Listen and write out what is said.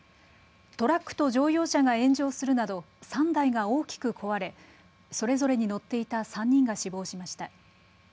トラックと乗用車が炎上するなど３台が大きく壊れそれぞれに乗っていた３人が死亡しました。